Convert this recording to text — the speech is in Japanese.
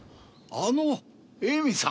あの恵美さん。